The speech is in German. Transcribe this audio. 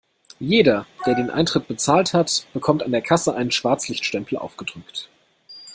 Jeder, der den Eintritt bezahlt hat, bekommt an der Kasse einen Schwarzlichtstempel aufgedrückt.